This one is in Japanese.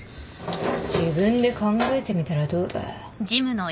自分で考えてみたらどうだ？